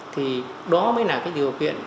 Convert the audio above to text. thì đó mới là cái điều kiện